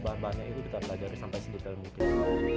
bahan bahannya itu kita pelajari sampai sedetail mungkin